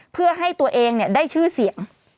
เพื่อให้ตัวเองได้ชื่อเสียง